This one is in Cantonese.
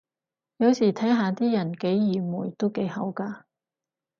有時睇下啲人幾愚昧都幾好咖